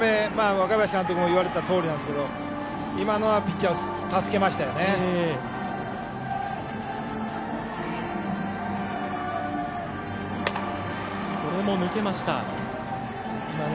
若林監督も言われてたとおりですが今のはピッチャーを助けましたよね。